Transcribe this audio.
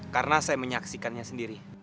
karena saya menyaksikannya sendiri